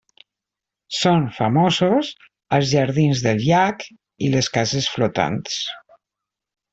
Són famosos els jardins del llac i les cases flotants.